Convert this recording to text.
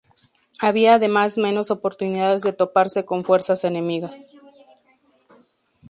Había además menos oportunidades de toparse con fuerzas enemigas.